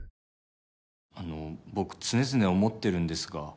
あの僕常々思ってるんですが。